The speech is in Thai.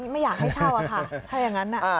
ไม่อยากให้เช่าอะค่ะถ้าอย่างนั้น